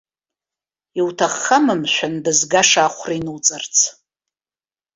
Иуҭаххама, мшәан, дызгаша ахәра инуҵарц?